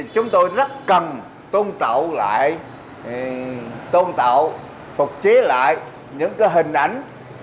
chúng tôi rất cần tôn trọng lại tôn tạo phục chế lại những hình ảnh